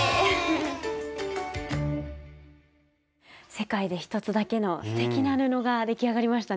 世界で一つだけのすてきな布が出来上がりましたね。